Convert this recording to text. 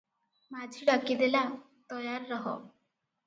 ମାଝି ଡାକି ଦେଲା, 'ତୟାରରହ' ।